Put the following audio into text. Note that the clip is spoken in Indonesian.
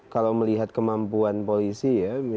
kalau melihat kemampuan polisi